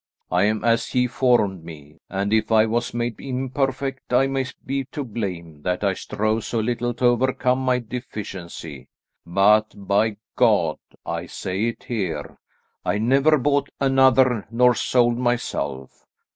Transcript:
I am as He formed me, and if I was made imperfect I may be to blame that I strove so little to overcome my deficiency, but, by God, I say it here, I never bought another nor sold myself.